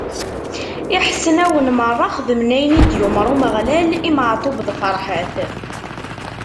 Iḥesnawen meṛṛa xedmen ayen i d-yumeṛ Umeɣlal i Meɛtub d Ferḥat.